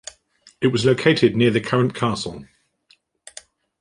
It was located near the current castle.